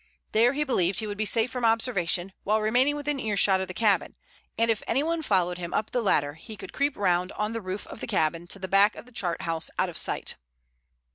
There he believed he would be safe from observation while remaining within earshot of the cabin, and if anyone followed him up the ladder he could creep round on the roof of the cabin to the back of the chart house, out of sight.